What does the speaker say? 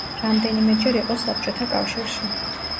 რამდენიმეჯერ იყო საბჭოთა კავშირში.